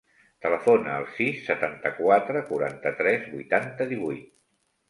Telefona al sis, setanta-quatre, quaranta-tres, vuitanta, divuit.